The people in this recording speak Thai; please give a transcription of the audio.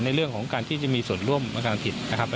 ในเรื่องของการที่จะมีส่วนร่วมในการผิดนะครับ